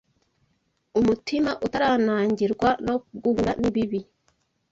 Umutima utaranangirwa no guhura n’ibibi